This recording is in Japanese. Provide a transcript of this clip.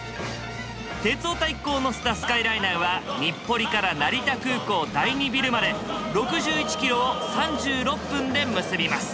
鉄オタ一行を乗せたスカイライナーは日暮里から成田空港第２ビルまで６１キロを３６分で結びます。